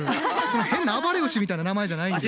変な暴れ牛みたいな名前じゃないんです。